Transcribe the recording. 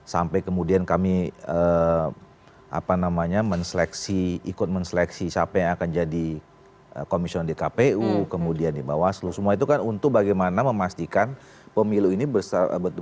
sampai kemudian kami ikut menseleksi siapa yang akan jadi komisioner di kpu kemudian di bawah seluruh semua itu kan untuk bagaimana memastikan pemilu ini betul betul berhasil